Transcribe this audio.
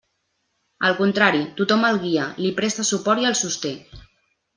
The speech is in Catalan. Al contrari, tothom el guia, li presta suport i el sosté.